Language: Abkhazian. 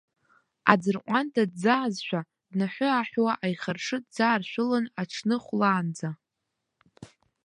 Аӡырҟәанда дӡаазшәа, днаҳәы-ааҳәуа аихаршы дӡааршәылан аҽны хәлаанӡа.